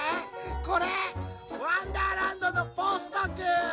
これ「わんだーらんど」のポストくん！